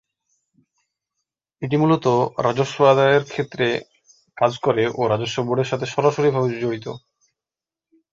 এটি মূলত রাজস্ব আদায়ের ক্ষেত্রে কাজ করে ও রাজস্ব বোর্ডের সাথে সরাসরিভাবে জড়িত।